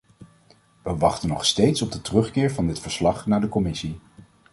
We wachten nog steeds op de terugkeer van dit verslag naar de commissie.